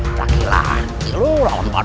tidak ini adalah urusan saya